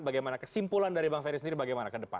bagaimana kesimpulan dari bang ferry sendiri bagaimana